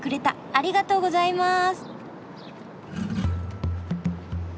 ありがとうございます。